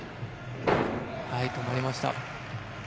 止まりました。